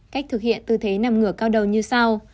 cách thực hiện tư thế nằm ngửa cao đầu như sau